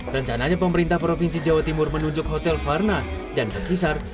rencananya pemerintah provinsi jawa timur menunjuk hotel farna dan kekisar